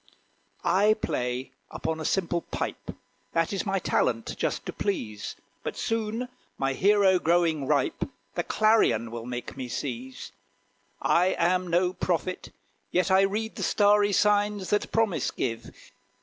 I play upon a simple pipe: That is my talent just to please; But soon my hero, growing ripe, The clarion will make me seize. I am no prophet, yet I read The starry signs that promise give.